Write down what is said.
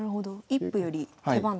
一歩より手番と。